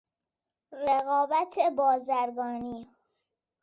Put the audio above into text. رقابت بازرگانی